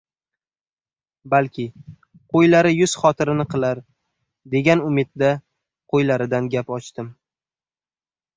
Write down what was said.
Balki, qo‘ylari yuzxotirini qilar, degan umidda qo‘ylaridan gap ochdim.